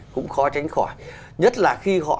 cũng khó tránh khỏi nhất là khi họ